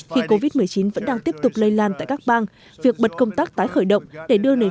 khi covid một mươi chín vẫn đang tiếp tục lây lan tại các bang việc bật công tác tái khởi động để đưa nền